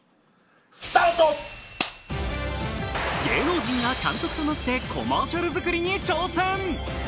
芸能人が監督となってコマーシャル作りに挑戦！